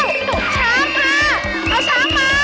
โอ้โฮโอ้โฮเต็ดแล้ว